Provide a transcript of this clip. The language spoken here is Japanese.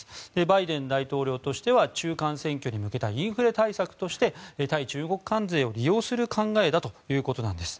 バイデン大統領としては中間選挙に向けたインフレ対策として対中国関税を利用する考えだということなんです。